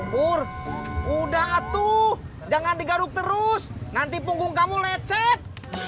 pur udah tuh jangan digaruk terus nanti punggung kamu lecet